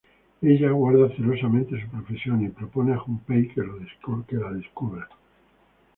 Ella guarda celosamente su profesión y propone a Junpei que lo descubra.